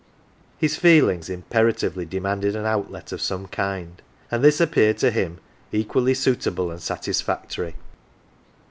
His feelings imperatively demanded an outlet of some kind, and this appeared to him equally suitable and satisfactory.